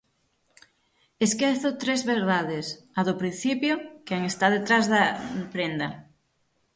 Esquezo tres verdades, a do principio, quen está detrás da prenda.